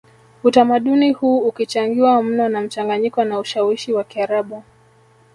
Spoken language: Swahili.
utamaduni huu ukichangiwa mno na mchanganyiko na ushawishi wa Kiarabu